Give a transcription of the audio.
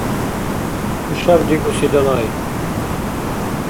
ХӀушаб дигуси далай?